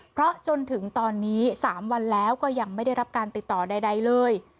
เพราะจนถึงตอนนี้๓วันแล้วก็ยังไม่ได้รับการติดต่อใดเลย